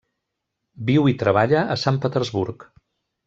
Viu i treballa a Sant Petersburg.